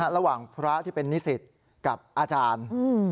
ระหว่างพระที่เป็นนิสิตกับอาจารย์